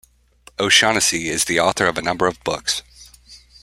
O'Shaughnessy is the author of a number of books.